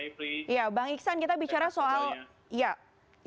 selamat malam mbak mayfri